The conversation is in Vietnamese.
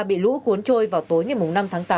bị lũ cuốn trôi vào tối ngày năm tháng tám